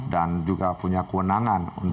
dan juga punya kewenangan